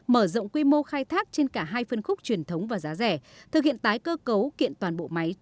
mở rộng quy mô khai thác trên cả hai phân khúc truyền thống và giá rẻ thực hiện tái cơ cấu kiện toàn bộ máy